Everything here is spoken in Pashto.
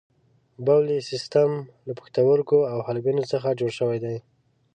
بولي سیستم له پښتورګو او حالبینو څخه جوړ شوی دی.